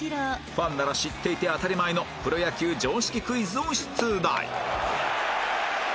ファンなら知っていて当たり前のプロ野球常識クイズを出題